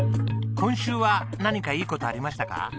今週は何かいい事ありましたか？